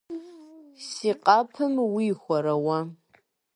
- Си къэпым уихуэрэ уэ?